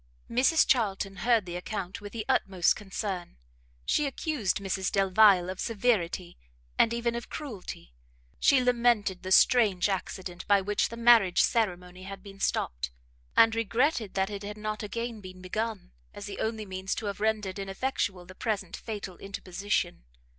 Mrs Charlton heard the account with the utmost concern; she accused Mrs Delvile of severity, and even of cruelty; she lamented the strange accident by which the marriage ceremony had been stopt, and regretted that it had not again been begun, as the only means to have rendered ineffectual the present fatal interposition.